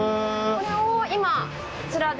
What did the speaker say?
これを、今こちらで。